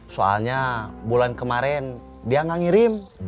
soalnya bulan kemarin dia nggak ngirim